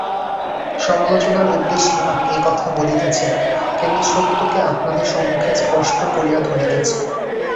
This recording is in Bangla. সমালোচনার উদ্দেশ্যে আমি এ-কথা বলিতেছি না, কেবল সত্যকে আপনাদের সম্মুখে স্পষ্ট করিয়া ধরিতেছি।